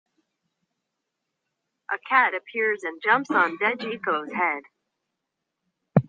A cat appears and jumps on Dejiko's head.